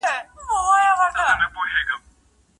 باد د بدن له خوا ایستل کېږي.